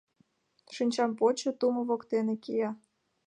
Шинчам почо — тумо воктене кия.